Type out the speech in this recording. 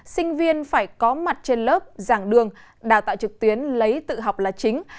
sinh viên phải có mặt trên lớp giảng đường đào tạo trực tuyến lấy tự học là chính